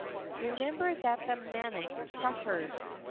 Remember that the maniac suffers.